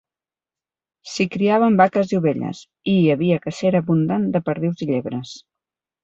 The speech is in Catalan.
S'hi criaven vaques i ovelles, i hi havia cacera abundant de perdius i llebres.